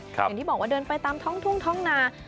อย่างที่บอกว่าเดินไปตามท้องทุ่งท้องนา